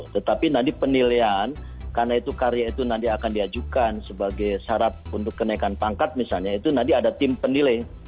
tetapi nanti penilaian karena itu karya itu nanti akan diajukan sebagai syarat untuk kenaikan pangkat misalnya itu nanti ada tim penilai